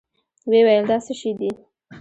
ويې ويل دا څه شې دي؟